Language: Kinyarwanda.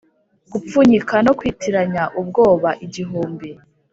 gupfunyika no kwitiranya ubwoba igihumbi,